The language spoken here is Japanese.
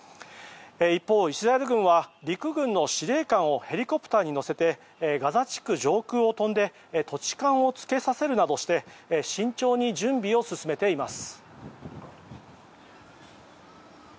一方、イスラエル軍は陸軍の司令官をヘリコプターに乗せてガザ地区上空を飛んで土地勘をつけさせるなどして慎重に準備を進めています。